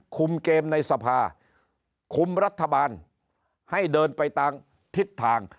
คุมเกมในสภาคุมรัฐบาลให้เดินไปตามทิศทาง